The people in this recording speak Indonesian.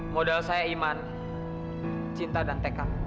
modal saya iman cinta dan tekad